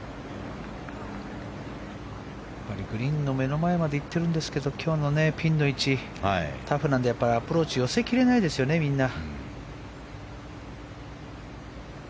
グリーンの目の前まで行っているんですけど今日のピンの位置はタフなのでやっぱりアプローチ寄せきれないですよね、みんな。